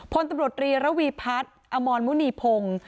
พลตำรวจรีระวีพัฒน์อมรมุณีพงศ์